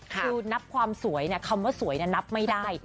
คือนับความสวยคำว่าสวยนับไม่ได้